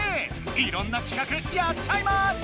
いろんな企画やっちゃいます！